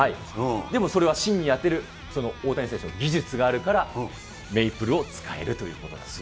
でもそれは芯に当てる、大谷選手の技術があるから、メイプルを使えるということです